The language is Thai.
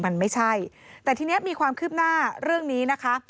มันไม่ใช่แต่ทีนี้มีความคืบหน้าเรื่องนี้นะคะ